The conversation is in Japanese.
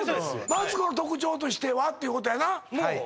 マツコの特徴としてはっていうことやな